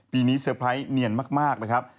ปีนี้เซอร์ไพรส์เนียนมากนะครับ